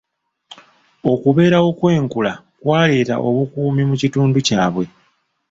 Okubeerawo kw'enkula kwaleeta obukuumi mu kitundu kyabwe.